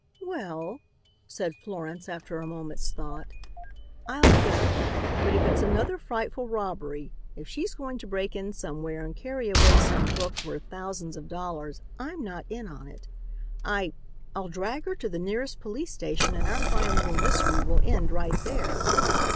"Well," said Florence, after a moment's thought, "I'll go, but if it's another frightful robbery, if she's going to break in somewhere and carry away some book worth thousands of dollars, I'm not in on it. I I'll drag her to the nearest police station and our fine little mystery will end right there."